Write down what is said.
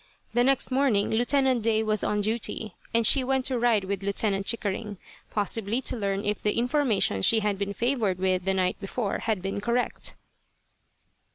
The next morning Lieutenant Day was on duty, and she went to ride with Lieutenant Chickering, possibly to learn if the information she had been favoured with the night before had been correct.